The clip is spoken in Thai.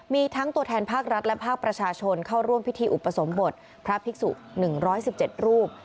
มีทั้งตัวแทนภาครัฐและภาคประชาชนเข้าร่วมพิธีอุปสมบทพระภิกษุ๑๑๗รูป